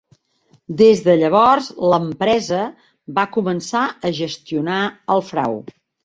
Des de llavors l'empresa va començar a gestionar el frau.